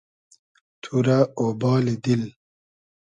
تو رۂ اۉبالی دیل